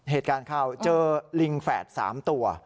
เหตุการณ์เข้าเจอลิงแฝด๓ตัว